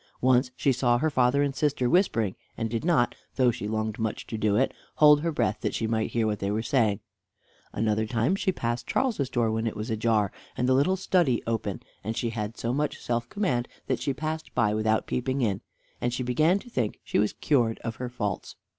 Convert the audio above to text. Once she saw her father and sister whispering, and did not, though she longed much to do it, hold her breath that she might hear what they were saying. Another time she passed Charles's door when it was ajar and the little study open, and she had so much self command that she passed by without peeping in, and she began to think she was cured of her faults.